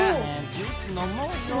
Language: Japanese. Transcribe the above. ジュースのもうよ。